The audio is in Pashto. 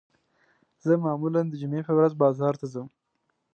زه معمولاً د جمعې په ورځ بازار ته ځم